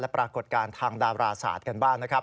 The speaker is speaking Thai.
ปรากฏการณ์ทางดาราศาสตร์กันบ้างนะครับ